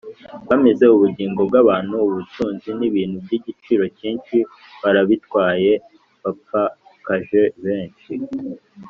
bamize ubugingo bw’abantu, ubutunzi n’ibintu by’igiciro cyinshi barabitwaye, bapfakaje benshi